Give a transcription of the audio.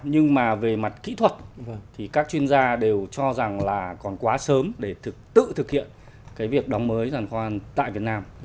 nhưng mà về mặt kỹ thuật thì các chuyên gia đều cho rằng là còn quá sớm để tự thực hiện cái việc đóng mới giàn khoan tại việt nam